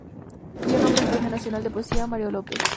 Dio nombre al Premio Nacional de Poesía "Mario López".